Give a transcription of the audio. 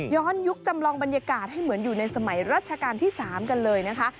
ยุคจำลองบรรยากาศให้เหมือนอยู่ในสมัยรัชกาลที่๓กันเลยนะคะ